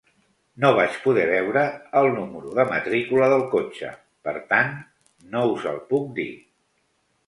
No vaig poder veure el número de matrícula del cotxe, per tant no us el puc dir.